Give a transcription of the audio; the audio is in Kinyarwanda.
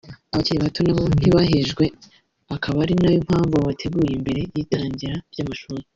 Abakiri bato nabo ntibahejwe akaba ari nayo mpamvu babateguye mbere y’itangira ry’amashuri